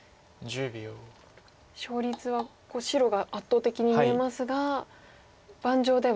勝率は白が圧倒的に見えますが盤上では。